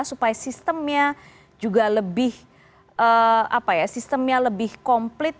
supaya sistemnya juga lebih komplit